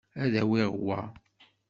Ad awiɣ wa.